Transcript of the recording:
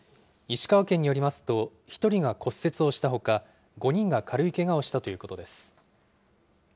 石川県によりますと、１人が骨折をしたほか、５人が軽いけがをしたということです。